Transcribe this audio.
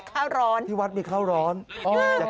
คุณผู้ชมเอ็นดูท่านอ่ะ